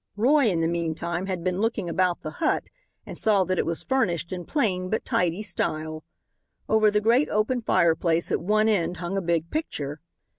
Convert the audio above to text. Roy, in the meantime, had been looking about the hut and saw that it was furnished in plain, but tidy style. Over the great open fireplace, at one end, hung a big picture.